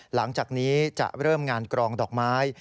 หลังจากนี้จะเริ่มงานกรองดอกไม้